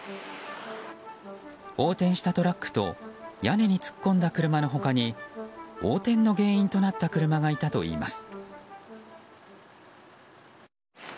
横転したトラックと屋根に突っ込んだ車の他に横転の原因となった車がいたといいます。